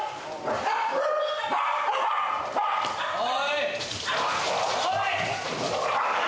おい！